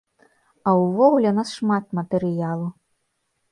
А ўвогуле ў нас шмат матэрыялу.